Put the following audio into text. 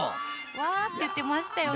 「わ！」って言ってましたよね。